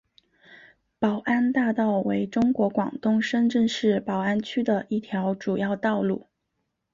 宝安大道为中国广东深圳市宝安区的一条主要道路。